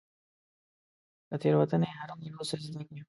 له تيروتني هرمروه څه زده کړه .